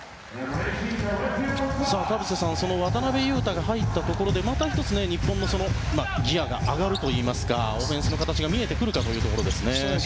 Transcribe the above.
田臥さん渡邊雄太が入ったところでまた１つ、日本のギアが上がるといいますかオフェンスの形が見えてくるかというところです。